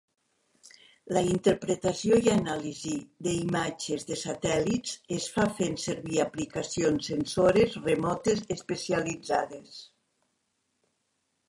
La interpretació i anàlisi de imatges de satèl·lits es fa fent servir aplicacions sensores remotes especialitzades.